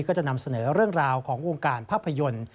ก็จะนำเสนอเรื่องราวของวงการภาพยนตร์